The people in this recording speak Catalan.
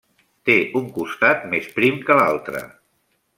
Té un costat més prim que l'altre.